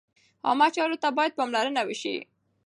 عامه چارو ته باید پاملرنه وشي.